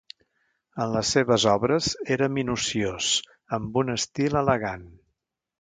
En les seves obres era minuciós amb un estil elegant.